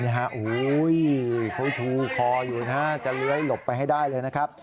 โอ้โหเขาชูคออยู่นะจะเลื้อยหลบไปให้ได้เลยนะครับ